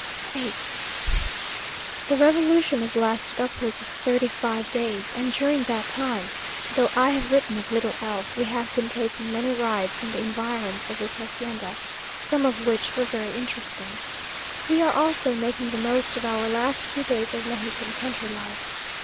8th. The Revolution has lasted upwards of thirty five days; and during that time, though I have written of little else, we have been taking many rides in the environs of this hacienda, some of which were very interesting. We are also making the most of our last few days of Mexican country life.